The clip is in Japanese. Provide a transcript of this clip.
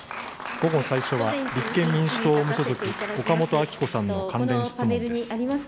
午後最初は立憲民主党・無所属、岡本あき子さんの関連質問です。